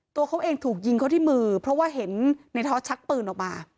ตัวเขาเองถูกยิงเขาที่มือเพราะว่าเห็นในท็อตชักปืนออกมา